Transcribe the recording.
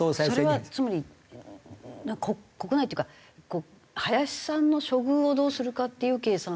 それはつまり国内っていうか林さんの処遇をどうするかっていう計算で。